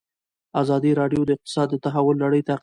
ازادي راډیو د اقتصاد د تحول لړۍ تعقیب کړې.